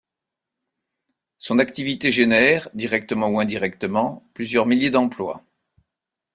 Son activité génère, directement ou indirectement, plusieurs milliers d'emplois.